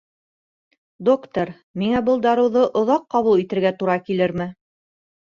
Доктор, миңә был дарыуҙы оҙаҡ ҡабул итергә тура килерме?